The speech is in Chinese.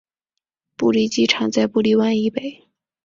布利机场在布利湾以北。